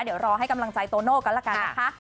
เดี๋ยวรอให้กำลังใจโตโน่กันละกันนะคะ